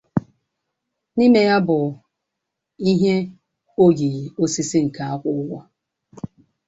N'ime ya bụ ihe oyiyi osisi nke akwụ ụgwọ.